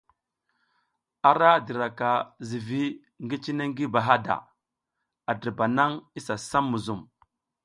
A ra diraka zivi ngi cine ngi bahada, a dirba nang isa sam muzum.